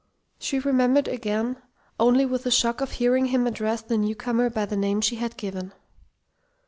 She remembered again, only with the shock of hearing him address the newcomer by the name she had given.